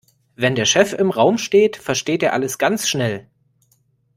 Wenn der Chef im Raum steht, versteht er alles ganz schnell.